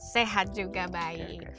sehat juga baik